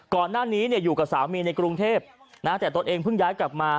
ก่อนหน้านี้อยู่กับสามีในกรุงเทพแต่ตนเองเพิ่งย้ายกลับมา